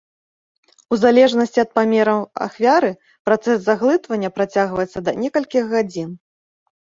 У залежнасці ад памераў ахвяры працэс заглытвання працягваецца да некалькіх гадзін.